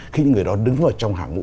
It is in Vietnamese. khi người đó đứng vào trong hạng mụ